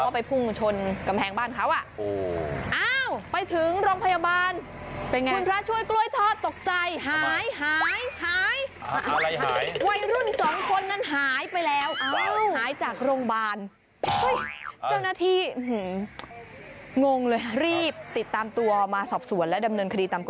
เพราะว่าไปพุ่งชนกำแพงบ้านเขา